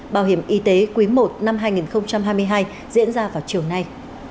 bảo hiểm y tế quý i năm hai nghìn hai mươi hai diễn ra vào chiều nay